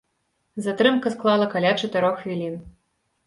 Затрымка склала каля чатырох хвілін.